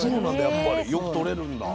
やっぱりよくとれるんだ。